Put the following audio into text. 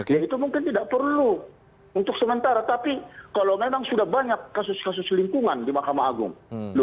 ya itu mungkin tidak perlu untuk sementara tapi kalau memang sudah banyak kasus kasus lingkungan di mahkamah agung